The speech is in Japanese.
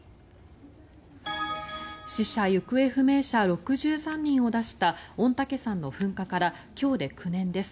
死者・行方不明者６３人を出した御嶽山の噴火から今日で９年です。